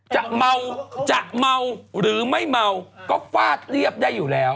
จะเมาจะเมาหรือไม่เมาก็ฟาดเรียบได้อยู่แล้ว